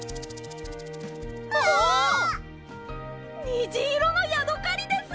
にじいろのヤドカリです！